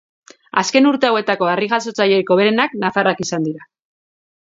Azken urte hauetako harri-jasotzailerik hoberenak nafarrak izan dira.